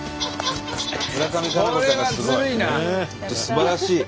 本当すばらしい！